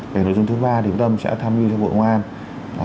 về nội dung thứ ba thì trung tâm sẽ tham mưu cho bộ ngoan